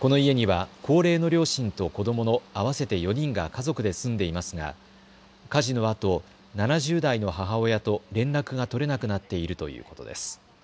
この家には高齢の両親と子どもの合わせて４人が家族で住んでいますが火事のあと７０代の母親と連絡が取れなくなっているということです。